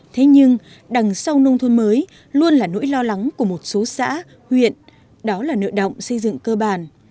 thế nhưng đằng sau nông thôn mới luôn là nỗi lo lắng của một số xã huyện đó là nợ động xây dựng cơ bản